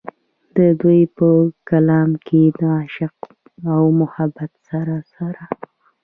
د دوي پۀ کلام کښې د عشق و محبت سره سره